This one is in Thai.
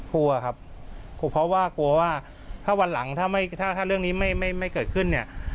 คั่วครับเพราะว่ากลัวว่าถ้าวันหลังถ้าเรื่องนี้ไม่เกิดขึ้น